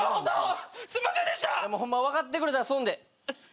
ホンマ分かってくれたらそんで。